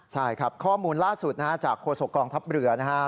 ใช่ครับข้อมูลล่าสุดจากโครสกองทับเหลือนะคะ